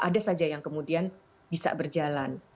ada saja yang kemudian bisa berjalan